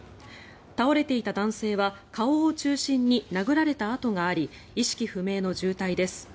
倒れていた男性は顔を中心に殴られた痕があり意識不明の重体です。